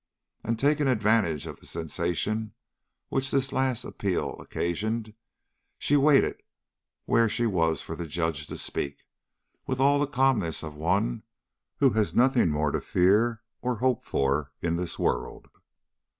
And taking advantage of the sensation which this last appeal occasioned, she waited where she was for the Judge to speak, with all the calmness of one who has nothing more to fear or hope for in this world.